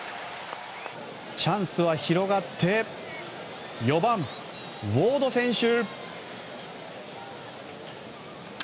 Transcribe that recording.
チャンスは広がって４番、ウォード選手。